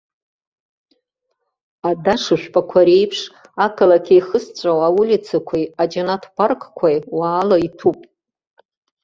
Адаш-жәпақәа реиԥш ақалақь еихызҵәҵәауа аулицақәеи аџьанаҭ паркқәеи уаала иҭәуп.